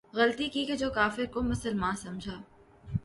غلطی کی کہ جو کافر کو مسلماں سمجھا